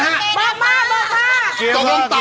ใครรู้ใครรู้